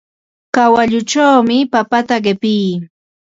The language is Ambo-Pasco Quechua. Kawalluchawmi papata qipii.